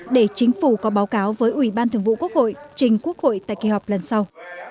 để chính phủ có báo cáo với ủy ban thường vụ quốc hội trình quốc hội tại kỳ họp lần sau